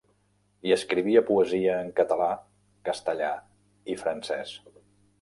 I escrivia poesia en català, castellà i francès.